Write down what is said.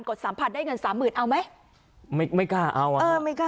ดสามพันได้เงินสามหมื่นเอาไหมไม่ไม่กล้าเอาอ่ะเออไม่กล้า